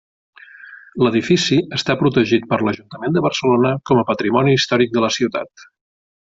L'edifici està protegit per l'Ajuntament de Barcelona com a patrimoni històric de la ciutat.